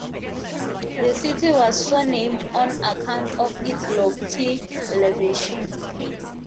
The city was so named on account of its lofty elevation.